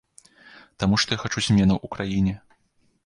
Таму што я хачу зменаў у краіне.